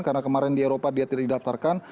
karena kemarin di eropa dia tidak didaftarkan